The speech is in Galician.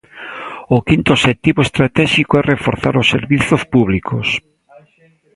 O quinto obxectivo estratéxico é reforzar os servizos públicos.